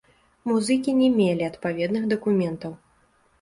Музыкі не мелі адпаведных дакументаў.